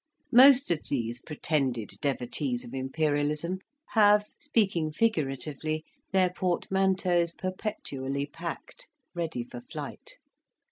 Most of these pretended devotees of imperialism have, speaking figuratively, their portmanteaus perpetually packed, ready for flight.